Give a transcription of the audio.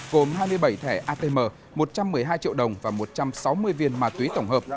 gồm hai mươi bảy thẻ atm một trăm một mươi hai triệu đồng và một trăm sáu mươi viên ma túy tổng hợp